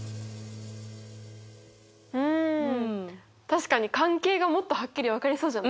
うん確かに関係がもっとはっきり分かりそうじゃない？